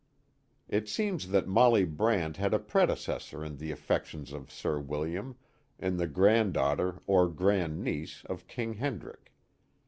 It seems that Molly Brant had a predecessor in the affections of Sir William, in the grand daughter or grand niece of King Hendrick.